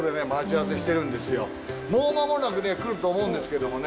もう間もなく来ると思うんですけどもね。